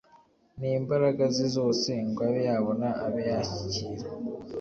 n imbaraga ze zose ngo abe yabona abe yashyikira